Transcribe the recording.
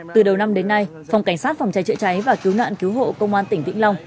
từ đầu năm đến nay phòng cảnh sát phòng cháy chữa cháy và cứu nạn cứu hộ công an tỉnh vĩnh long